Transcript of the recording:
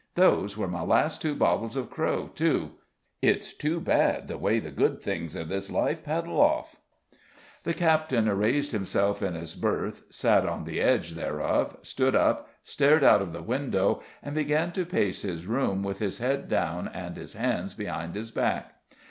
Those were my last two bottles of Crow, too; it's too bad the way the good things of this life paddle off." The captain raised himself in his berth, sat on the edge thereof, stood up, stared out of the window, and began to pace his room with his head down and his hands behind his back.